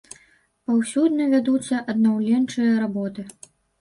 Паўсюдна вядуцца аднаўленчыя работы.